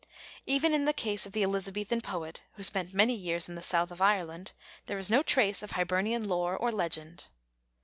Even in the case of the Elizabethan poet who spent many years in the south of Ireland, there is no trace of Hibernian lore or legend.